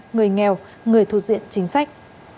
người nghèo người thu diện chính sách